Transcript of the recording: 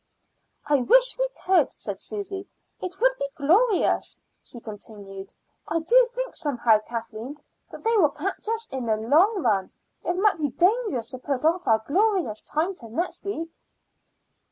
"I wish we could," said Susy. "It would be glorious," she continued. "I do think somehow, Kathleen, that they will catch us in the long run. It might be dangerous to put off our glorious time till next week."